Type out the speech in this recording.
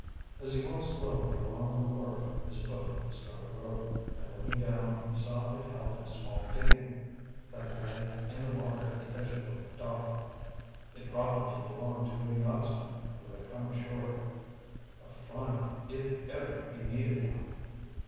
As he walked slowly along the wharf his foot struck a rope, and looking down, he saw it held a small dinghy that lay in the water at the edge of the dock. It probably belonged to a yachtsman who had come ashore. A find, if ever he needed one.